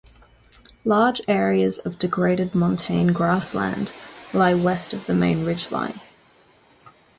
Large areas of degraded montane grassland lie west of the main ridgeline.